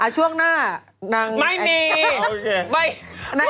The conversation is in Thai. ช่วงหน้านาง